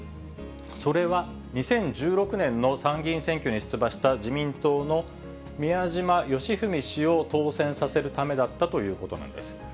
それは２０１６年の参議院選挙に出馬した自民党の宮島喜文氏を当選させるためだったということなんです。